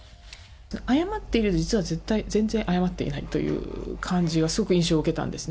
謝っているようで、実は、全然謝っていないという感じは、すごく印象を受けたんですね。